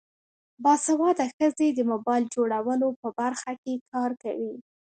باسواده ښځې د موبایل جوړولو په برخه کې کار کوي.